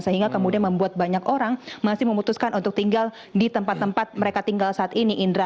sehingga kemudian membuat banyak orang masih memutuskan untuk tinggal di tempat tempat mereka tinggal saat ini indra